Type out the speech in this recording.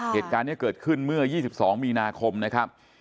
เหตุการณ์นี้เกิดขึ้นเมื่อ๒๒มีนาคมนะครับ